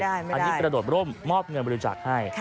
อันนี้กระโดดร่มมอบเงินบริจาคให้